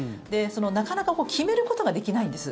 なかなか決めることができないんです。